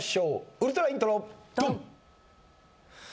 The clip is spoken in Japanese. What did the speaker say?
ウルトライントロドン！